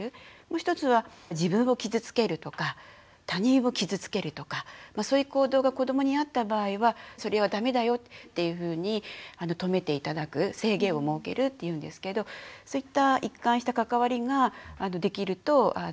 もう一つは自分を傷つけるとか他人を傷つけるとかそういう行動が子どもにあった場合はそれは駄目だよっていうふうに止めて頂く制限を設けるっていうんですけどそういった一貫した関わりができるといいというふうに言われています。